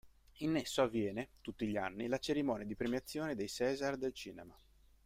In esso avviene, tutti gli anni, la cerimonia di premiazione dei César del cinema.